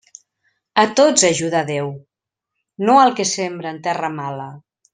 A tots ajuda Déu, no al que sembra en terra mala.